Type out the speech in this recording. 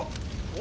お！